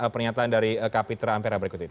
pernyataan dari kapitra ampera berikut ini